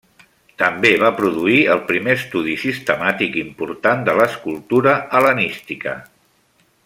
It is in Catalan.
També va produir el primer estudi sistemàtic important de l'escultura hel·lenística.